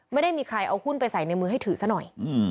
ไม่ได้มีใครเอาหุ้นไปใส่ในมือให้ถือซะหน่อย